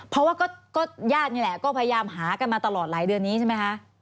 เพราะว่าก็ญาตินี่แหละก็พยายามหากันมาตลอดหลายเดือนนี้ใช่ไหมคะ